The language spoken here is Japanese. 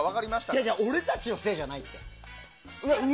いやいや俺たちのせいじゃないって。